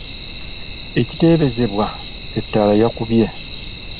Ekiteebeezebwa Ettaala yakubye!